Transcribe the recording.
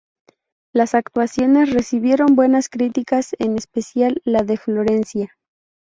Las actuaciones recibieron buenas críticas, en especial la de Florencia.